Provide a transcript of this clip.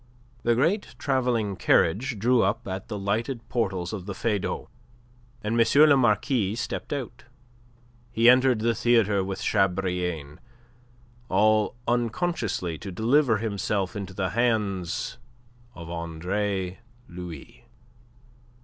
The great travelling carriage drew up at the lighted portals of the Feydau, and M. le Marquis stepped out. He entered the theatre with Chabrillane, all unconsciously to deliver himself into the hands of Andre Louis.